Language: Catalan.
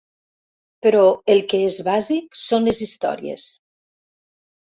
Però el que és bàsic són les històries.